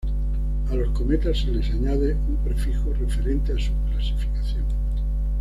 A los cometas se les añade un prefijo referente a su clasificación.